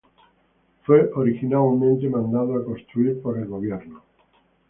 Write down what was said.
Fue originalmente mandado a construir por el Gobierno.